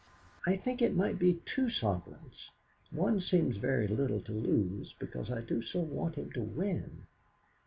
"I think it might be two sovereigns; one seems very little to lose, because I do so want him to win.